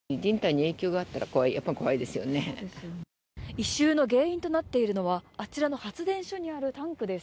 異臭の原因となっているのはあちらの発電所のタンクです。